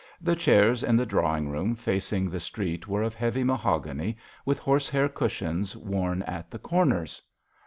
The chairs in the drawing room facing the street were of heavy mahogany with horsehair cushions worn at the corners.